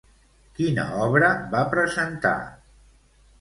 Quina obra va presentar?